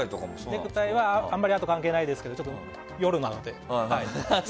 ネクタイはあまりアート関係ないですけどちょっと、夜なので。